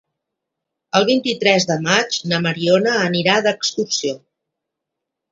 El vint-i-tres de maig na Mariona anirà d'excursió.